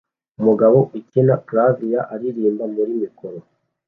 Umugabo ukina clavier aririmba muri mikoro